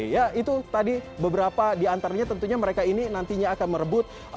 ya itu tadi beberapa diantaranya tentunya mereka ini nantinya akan merebut